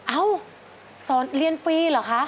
เอ้าสอนเรียนฟรีเหรอคะ